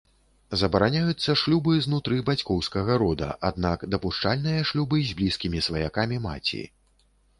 Забараняюцца шлюбы знутры бацькоўскага рода, аднак дапушчальныя шлюбы з блізкімі сваякамі маці.